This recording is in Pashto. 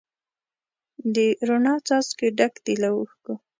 د روڼا څاڅکي ډک دي له اوښکو